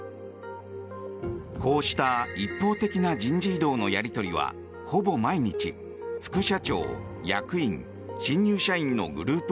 こうした一方的な人事異動のやり取りはほぼ毎日副社長、役員、新入社員のグループ